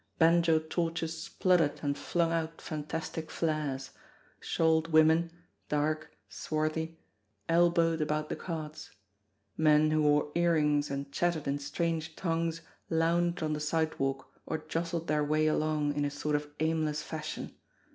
Banjo torches spluttered and flung out fantastic flares ; shawled women, dark, swarthy, elbowed about the carts ; men who wore earrings and chat tered in strange tongues lounged on the sidewalk or jostled their way along in a sort of aimless fashion.